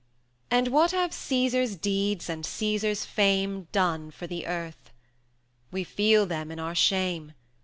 And what have Cæsar's deeds and Cæsar's fame 320 Done for the earth? We feel them in our shame.